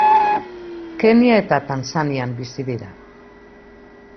Kenia eta Tanzanian bizi dira.